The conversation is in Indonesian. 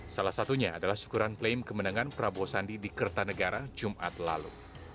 salah satunya adalah syukuran klaim kemenangan prabowo sandi di kertanegara jumat lalu